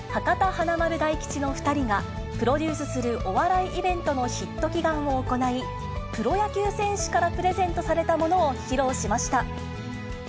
華丸・大吉の２人がプロデュースするお笑いイベントのヒット祈願を行い、プロ野球選手からプレゼントされたものを披露しました。